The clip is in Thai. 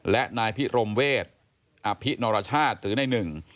และนายพิรมเวศอภินรชาติหรือนายหนึ่ง